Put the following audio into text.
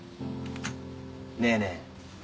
ねえねえ